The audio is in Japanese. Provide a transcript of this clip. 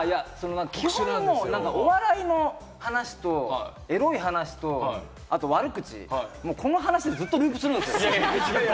お笑いの話とエロい話と、あと悪口、この話がずっとループするんですよ。